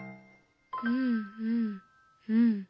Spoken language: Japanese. うんうんうん。